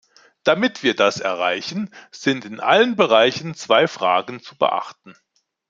Damit wir das erreichen, sind in allen Bereichen zwei Fragen zu beachten.